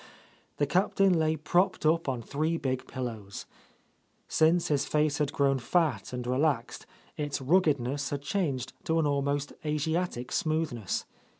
The Captain lay propped up on three big pillows. Since his face had grown fat and re laxed, its ruggedness had changed to an almost Asiatic smoothness.